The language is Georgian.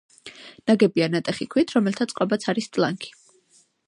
ნაგებია ნატეხი ქვით, რომელთა წყობაც არის ტლანქი.